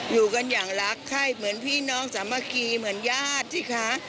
อยู่กันอย่างรักไข้เหมือนพี่น้องสามัคคีเหมือนญาติสิคะ